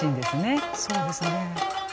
そうですね。